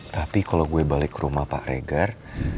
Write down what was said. tapi kalau gue balik ke rumah pak regar